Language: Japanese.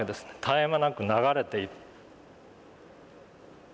絶え間なく流れている。